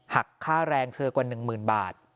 หักค่าแรงเธอกว่า๑๐๐๐บาท